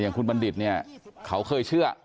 อย่างคุณบัณฑิตเขาเคยเชื่อ